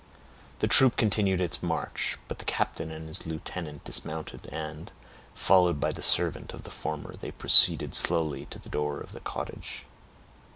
The troop continued its march; but the captain and his lieutenant dismounted, and, followed by the servant of the former, they proceeded slowly to the door of the cottage.